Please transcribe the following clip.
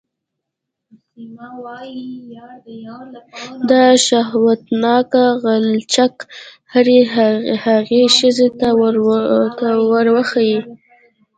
دا شهوتناک غلچک هرې هغې ښځې ته وربښې.